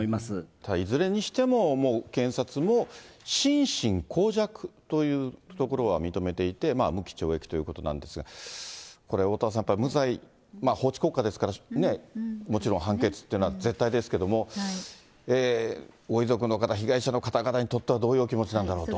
ただ、いずれにしても、検察も心神耗弱というところは認めていて、無期懲役ということなんですが、これ、おおたわさん、無罪、法治国家ですからもちろん判決というのは絶対ですけれども、ご遺族の方、被害者の方々にとってはどういうお気持ちなんだろうかと。